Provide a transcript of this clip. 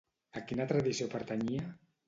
A quina tradició pertanyia?